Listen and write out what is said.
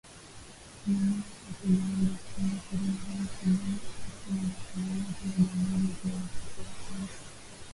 asilimia tatu Burundi asilimia ishirini na tano Sudan Kusini na asilimia tano Jamuhuri ya Demokrasia ya Kongo